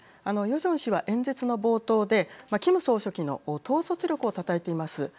ヨジョン氏は演説の冒頭で、キム総書記の統率力をたたえています。